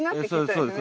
そうです